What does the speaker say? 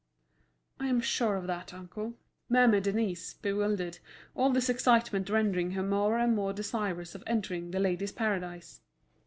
'" "I am sure of that, uncle," murmured Denise, bewildered, all this excitement rendering her more and more desirous of entering The Ladies' Paradise.